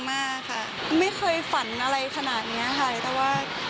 ไม่เคยฝันอะไรขนาดนี้ค่ะแต่ว่า